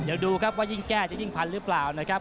เดี๋ยวดูครับว่ายิ่งแก้จะยิ่งพันหรือเปล่านะครับ